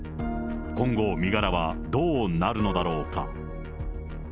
今後、身柄はどうなるのだろうか。